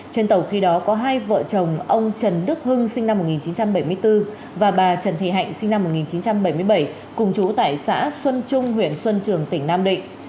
trên tàu khi đó có hai vợ chồng ông trần đức hưng sinh năm một nghìn chín trăm bảy mươi bốn và bà trần thị hạnh sinh năm một nghìn chín trăm bảy mươi bảy cùng chú tại xã xuân trung huyện xuân trường tỉnh nam định